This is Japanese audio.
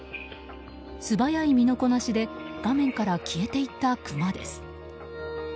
素早い身のこなしで画面から消えていったクマです。